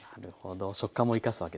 食感も生かすわけですね。